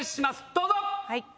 どうぞ。